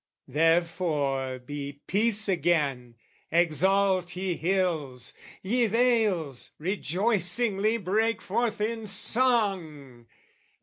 Therefore be peace again: exult, ye hills! Ye vales rejoicingly break forth in song!